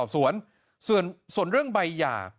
สวนส่วนเรื่องใบหย่า